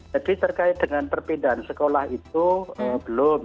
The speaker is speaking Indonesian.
jadi terkait dengan perpindahan sekolah itu belum